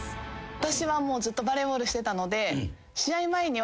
私はもうずっとバレーボールしてたので。